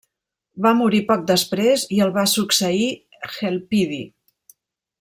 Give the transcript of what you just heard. Va morir poc després i el va succeir Helpidi.